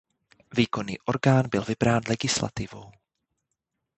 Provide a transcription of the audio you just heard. Výkonný orgán by byl vybrán legislativou.